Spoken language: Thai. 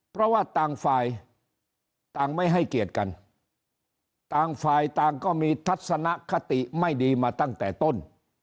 เพราะว่าต่างฝ่ายต่างไม่ให้เกียรติกันต่างฝ่ายต่างก็มีทัศนคติไม่ดีมาตั้งแต่ต้น